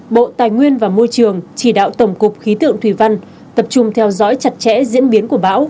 bộ tài nguyên và môi trường chỉ đạo tổng cục khí tượng thủy văn tập trung theo dõi chặt chẽ diễn biến của bão